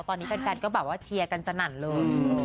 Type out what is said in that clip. ตอนนี้กันกันก็เชียร์กันสนั่นเลย